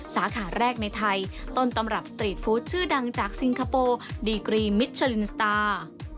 สาขาแรกในไทยต้นตำรับสตรีทฟู้ดชื่อดังจากซิงคโปร์ดีกรีมิชลินสตาร์